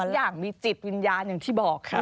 ทุกอย่างมีจิตวิญญาณอย่างที่บอกค่ะ